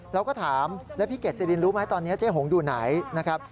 เราก็ถามแล้วพี่เกดสิรินรู้ไหมตอนนี้เจ๊หงอยู่ไหนนะครับ